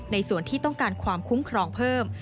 ในส่วนที่ต้องการความคุ้มครองเพิ่ม